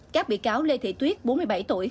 các bị cáo lê thị tuyết bốn mươi bảy tuổi